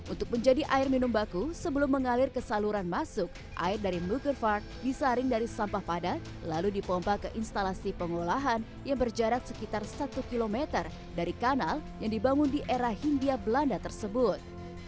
untuk menjadi air minum baku sebelum mengalir ke saluran masuk air dari mukerfark disaring dari sampah padat lalu dipompa ke instalasi pengolahan yang berjarak sekitar satu km dari kanal yang dibangun di era hindia belanda tersebut